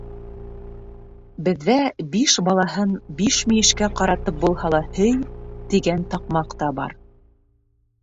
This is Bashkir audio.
- Беҙҙә биш балаһын биш мөйөшкә ҡаратып булһа ла һөй, тигән таҡмаҡ та бар...